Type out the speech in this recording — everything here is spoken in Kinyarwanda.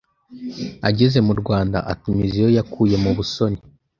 Ageze mu Rwanda atumiza iyo yakuye mu Busoni;